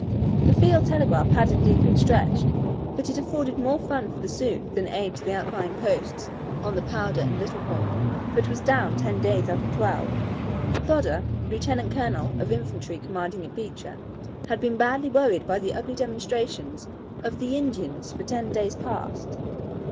The field telegraph had indeed been stretched, but it afforded more fun for the Sioux than aid to the outlying posts on the Powder and Little Horn, for it was down ten days out of twelve. Plodder, lieutenant colonel of infantry commanding at Beecher, had been badly worried by the ugly demonstrations of the Indians for ten days past.